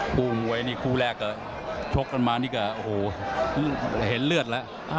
มวยนี่คู่แรกก็ชกกันมานี่ก็โอ้โหเห็นเลือดแล้ว